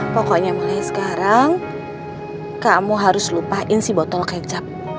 pokoknya mulai sekarang kamu harus lupain si botol kecap